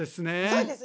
そうです。